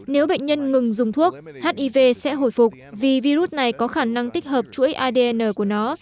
nếu bệnh nhân ngừng dùng thuốc hiv sẽ hồi phục vì virus này có khả năng tích hợp chuỗi adn của nó